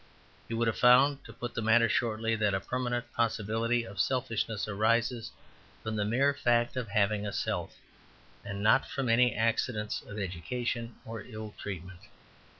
He would have found, to put the matter shortly, that a permanent possibility of selfishness arises from the mere fact of having a self, and not from any accidents of education or ill treatment.